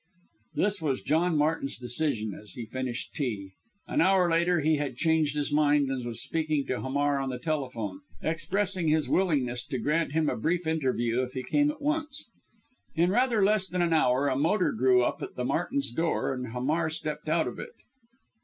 This was John Martin's decision as he finished tea. An hour later he had changed his mind, and was speaking to Hamar on the telephone, expressing his willingness to grant him a brief interview if he came at once. In rather less than an hour a motor drew up at the Martins' door and Hamar stepped out of it.